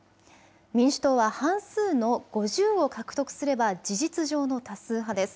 民主党は半数の５０を獲得すれば事実上の多数派です。